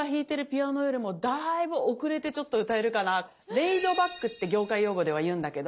「レイドバック」って業界用語では言うんだけど。